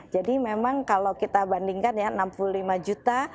jadi memang kalau kita bandingkan ya enam puluh lima juta